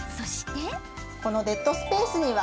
このデッドスペースには